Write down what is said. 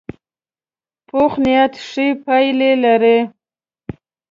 پوخ نیت ښې پایلې لري